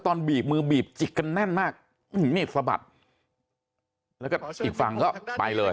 บีบมือบีบจิกกันแน่นมากมีดสะบัดแล้วก็อีกฝั่งก็ไปเลย